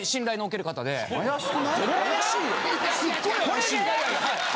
これで！？